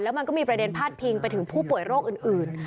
มันก็มีประเด็นพาดพิงไปถึงผู้ป่วยโรคอื่น